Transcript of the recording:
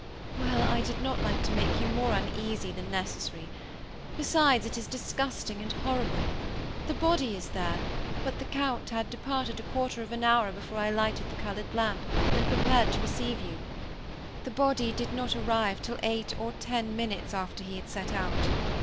"Well, I did not like to make you more uneasy than necessary. Besides, it is disgusting and horrible. The body is there; but the Count had departed a quarter of an hour before I lighted the colored lamp, and prepared to receive you. The body did not arrive till eight or ten minutes after he had set out.